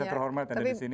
saya terhormat ada di sini